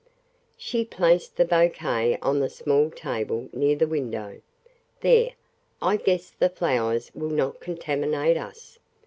She placed the bouquet on the small table near the window. "There; I guess the flowers will not contaminate us.